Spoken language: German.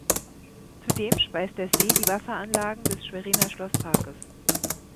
Zudem speist der See die Wasseranlagen des Schweriner Schlossparkes.